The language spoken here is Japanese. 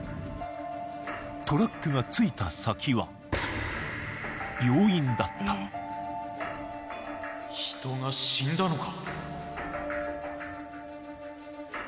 トラックが着いた先は病院だった人が死んだのか？